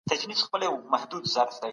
د حاجي په مرستې سره مي خپلي کوڅې رڼې ولیدې.